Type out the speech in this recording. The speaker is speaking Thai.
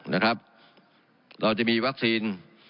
เราจะมีวัคซีน